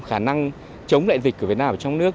khả năng chống lại dịch của việt nam trong nước